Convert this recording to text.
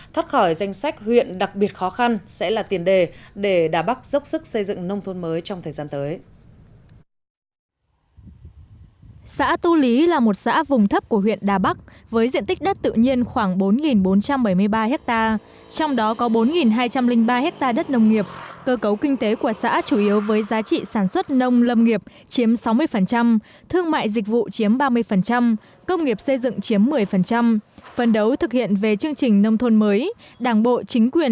thoát khỏi danh sách huyện đặc biệt khó khăn sẽ là tiền đề để đà bắc dốc sức xây dựng nông thôn mới trong thời gian tới